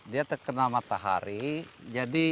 dia terkena matahari